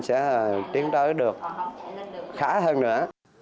sẽ tiến tới được khá hơn nữa